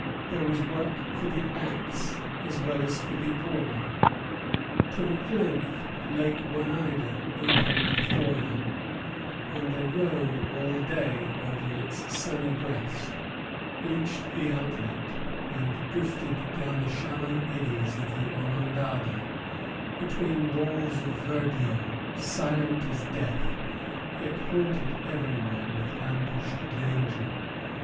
There was work for the axe as well as for the oar; till at length Lake Oneida opened before them, and they rowed all day over its sunny breast, reached the outlet, and drifted down the shallow eddies of the Onondaga, between walls of verdure, silent as death, yet haunted everywhere with ambushed danger.